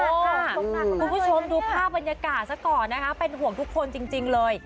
คุณผู้ชมดูภาพบรรยากาศซะก่อนนะคะเป็นห่วงทุกคนจริงเลย